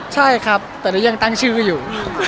ใช่ครับแต่โดยยังตั้งชื่ออยู่